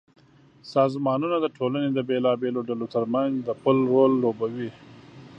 سازمانونه د ټولنې د بېلابېلو ډلو ترمنځ د پُل رول لوبوي.